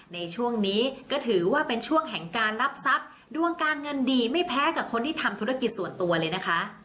ในช่วงนี้ก็ถือว่าเป็นช่วงแห่งการรับทรัพย์ดวงการเงินดีไม่แพ้กับคนที่ทำธุรกิจส่วนตัวเลยนะคะ